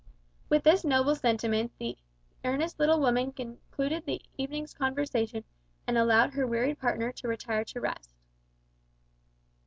With this noble sentiment the earnest little woman concluded the evening's conversation, and allowed her wearied partner to retire to rest.